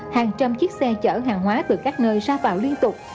hàng trăm chiếc xe chở hàng hóa từ các nơi ra vào liên tục